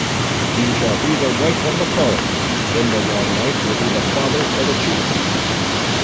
"She shall be the wife of Mahtoree; then the Long knife will be the father of a chief."